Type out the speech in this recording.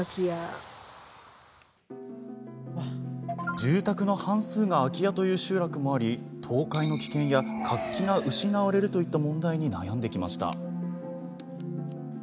住宅の半数が空き家という集落もあり倒壊の危険や活気が失われるといった問題に悩んできました。